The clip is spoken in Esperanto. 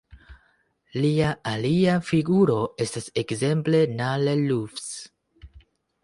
Lia alia figuro estas ekzemple Nalle Lufs.